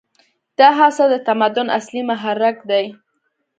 دا هڅه د تمدن اصلي محرک دی.